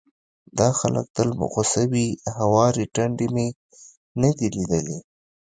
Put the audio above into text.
دا خلک تل په غوسه وي، هوارې ټنډې مې نه دي ليدلې،